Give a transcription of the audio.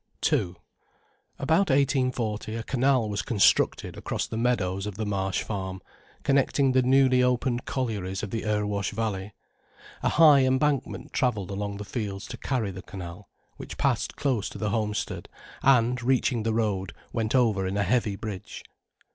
II About 1840, a canal was constructed across the meadows of the Marsh Farm, connecting the newly opened collieries of the Erewash Valley. A high embankment travelled along the fields to carry the canal, which passed close to the homestead, and, reaching the road, went over in a heavy bridge.